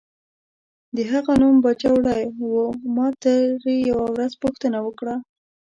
د هغه نوم باجوړی و، ما ترې یوه ورځ پوښتنه وکړه.